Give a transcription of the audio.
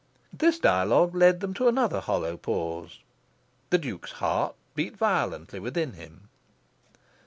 This dialogue led them to another hollow pause. The Duke's heart beat violently within him.